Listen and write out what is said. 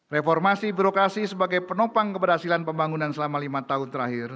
reformasi birokrasi sebagai penopang keberhasilan pembangunan selama lima tahun terakhir